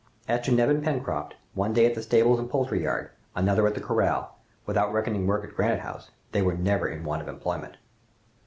As to Neb and Pencroft, one day at the stables and poultry yard, another at the corral, without reckoning work in Granite House, they were never in want of employment.